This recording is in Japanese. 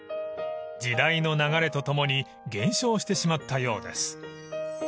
［時代の流れとともに減少してしまったようです］